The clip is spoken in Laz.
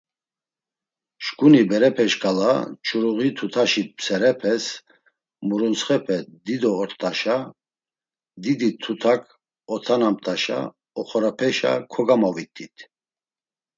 Şǩuni berepe şǩala ç̌uruği tutaşi serepes, muruntsxepe dido ort̆aşa, didi tutak otanamt̆aşa oxorepeşe kogamovit̆it.